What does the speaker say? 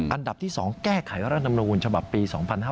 อันดับที่สองแก้ไขร้วรรธรรมรวงค์ฉบับปี๒๕๖๐